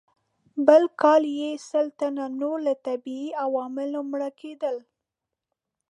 بل کال یې سل تنه نور له طبیعي عواملو مړه کېدل.